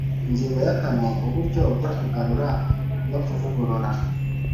Ingingo ya kane Uburyo bwo kugarura no kuvugurura